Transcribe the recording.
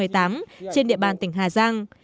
trên địa bàn tỉnh hà giang